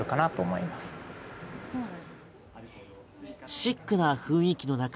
シックな雰囲気の中